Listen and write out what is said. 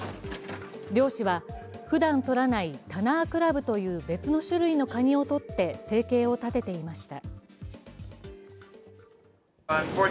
漁師は、ふだんとらないタナークラブという別の種類のカニをとって生計を立てていました。